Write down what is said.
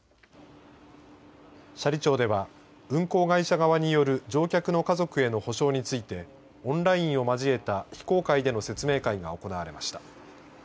斜里町では運行会社側による乗客の家族への補償についてオンラインを交えた非公開での説明会が行われました。